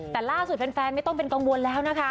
แต่ล่าสุดแฟนไม่ต้องเป็นกังวลแล้วนะคะ